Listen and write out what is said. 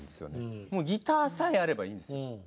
もうギターさえあればいいんですよ。